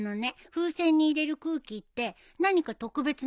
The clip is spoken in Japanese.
風船に入れる空気って何か特別な空気なの？